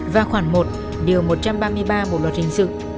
và khoảng một điều một trăm ba mươi ba bộ luật hình sự